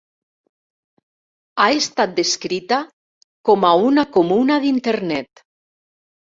Ha estat descrita com a una comuna d'internet.